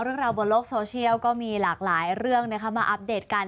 เรื่องราวบนโลกโซเชียลก็มีหลากหลายเรื่องมาอัปเดตกัน